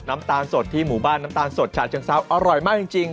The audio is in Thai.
น้ำตาลสดที่หมู่บ้านน้ำตาลสดฉาเชิงเซาอร่อยมากจริง